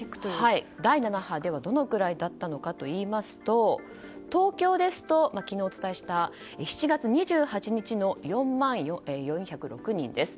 第７波はどのくらいだったかといいますと東京ですと昨日お伝えした７月２８日の４万４０６人です。